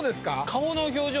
顔の表情